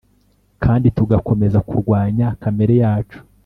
kandi tugakomeza kurwanya kamere yacu